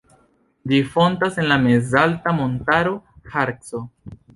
Ĝi fontas en la mezalta montaro Harco.